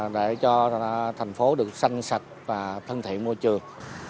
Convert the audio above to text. để cho thành phố được xanh sạch và thân thiện môi trường